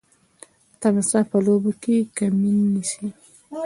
تمساح په اوبو کي کمین نیسي.